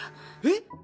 えっ！？